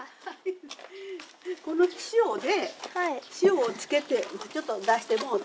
この塩で塩をつけてでちょっと出してもうて。